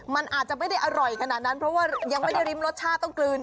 มันอาจจะไม่ได้อร่อยขนาดนั้นเพราะว่ายังไม่ได้ริมรสชาติต้องกลืน